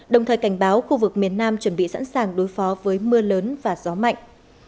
đồng thời cảnh báo khu vực miền nam chuẩn bị sẵn sàng đối phó với mưa lớn và gió mạnh